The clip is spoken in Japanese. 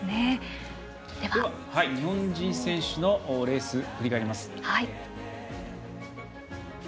日本人選手のレースを振り返ります。